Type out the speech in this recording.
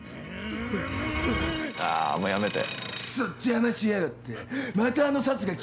あもうやめて。